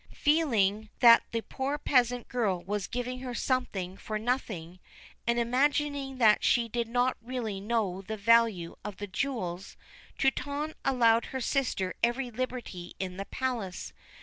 Feeling that the poor peasant girl was giving her something for nothing, and imagining that she did not really know the value of the jewels, Truitonne allowed her sister every liberty in the palace.